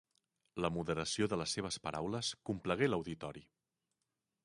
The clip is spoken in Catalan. La moderació de les seves paraules complagué l'auditori.